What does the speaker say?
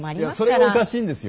それがおかしいんですよ。